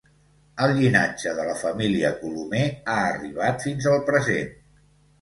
El llinatge de la família Colomer ha arribat fins al present.